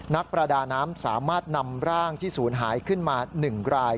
นักประดาน้ำสามารถนำร่างที่ศูนย์หายขึ้นมา๑ราย